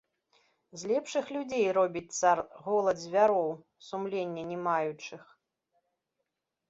З лепшых людзей робіць цар голад звяроў, сумлення не маючых.